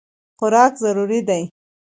خوراک ضروري دی.